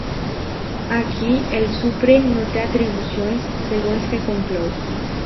Ací, el Suprem no té atribucions, segons que conclou.